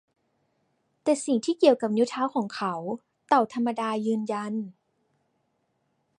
แต่สิ่งที่เกี่ยวกับนิ้วเท้าของเขา เต่าธรรมดายืนยัน